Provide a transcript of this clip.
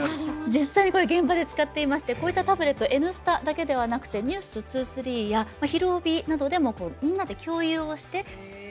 実際にこれ現場で使っていましてこういったタブレット「Ｎスタ」だけではなくて「ｎｅｗｓ２３」や「ひるおび」などでもみんなで共有をして。